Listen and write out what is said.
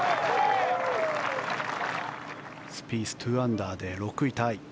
スピース２アンダーで６位タイ。